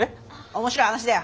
面白い話だよ。